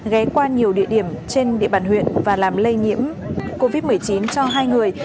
ghé qua nhiều địa điểm trên địa bàn huyện và làm lây nhiễm covid một mươi chín cho hai người